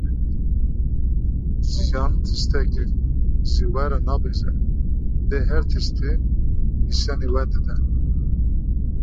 Jiyan tiştekî ji we re nabêje lê her tiştî nişanî we dide.